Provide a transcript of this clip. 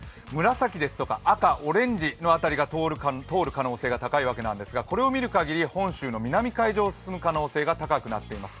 紫ですとか、赤、オレンジの部分が通る可能性が高いわけなんですが、これを見るかぎり本州の南海上を通る可能性が高くなっています。